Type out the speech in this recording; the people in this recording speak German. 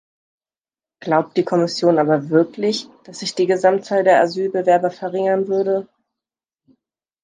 Glaubt die Kommission aber wirklich, dass sich die Gesamtzahl der Asylbewerber verringern würde?